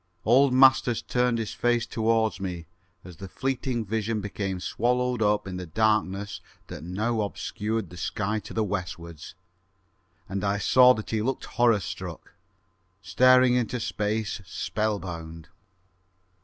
Old Masters turned his face towards me as the fleeting vision became swallowed up in the darkness that now obscured the sky to the westwards, and I saw that he looked horror struck, staring into space spell bound.